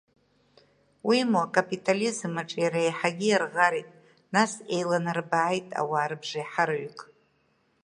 Уимоу акапитализм аҿиара еиҳагьы иарӷарит, нас еиланарбааит ауаа рыбжеиҳараҩык.